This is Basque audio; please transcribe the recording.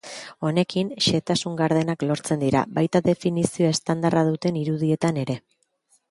Honekin, xehetasun gardenak lortzen dira, baita definizio estandarra duten irudietan ere.